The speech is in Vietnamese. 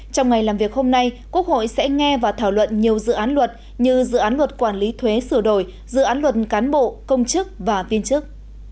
trong ngày làm việc hôm nay quốc hội sẽ nghe và thảo luận nhiều dự án luật như dự án luật quản lý thuế sửa đổi dự án luật cán bộ công chức và viên chức